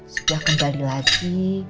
sudah kembali lagi